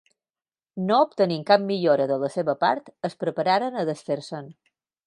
No obtenint cap millora de la seva part, es preparen a desfer-se'n.